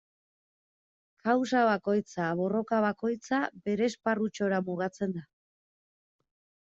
Kausa bakoitza, borroka bakoitza, bere esparrutxora mugatzen da.